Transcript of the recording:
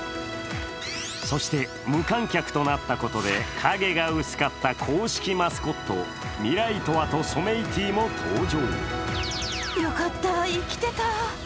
そして無観客となったことで、影が薄かった公式マスコットミライトワとソメイティも登場。